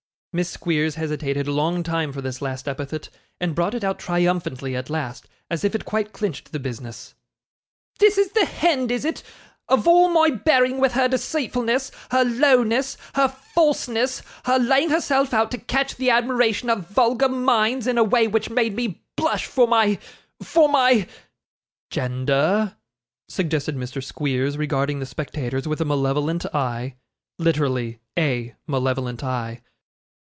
(Miss Squeers hesitated a long time for this last epithet, and brought it out triumphantly at last, as if it quite clinched the business.) 'This is the hend, is it, of all my bearing with her deceitfulness, her lowness, her falseness, her laying herself out to catch the admiration of vulgar minds, in a way which made me blush for my for my ' 'Gender,' suggested Mr. Squeers, regarding the spectators with a malevolent eye literally A malevolent eye.